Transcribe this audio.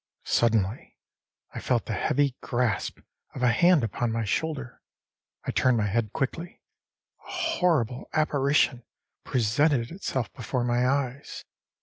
Suddenly I felt the heavy grasp of a hand upon my shoulder. I turned my head quickly. A horrible apparition presented itself before my eyes.